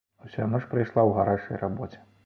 Уся ноч прайшла ў гарачай рабоце.